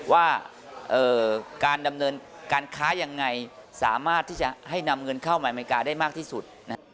ว่าการดำเนินการค้ายังไงสามารถที่จะให้นำเงินเข้ามาอเมริกาได้มากที่สุด